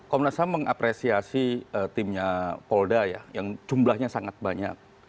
komnas saya mengapresiasi timnya polda yang jumlahnya sangat banyak